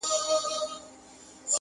سلطنت وو په ځنګلو کي د زمریانو!!